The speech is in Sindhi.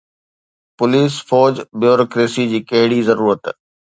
پوليس، فوج، بيوروڪريسي جي ڪهڙي ضرورت؟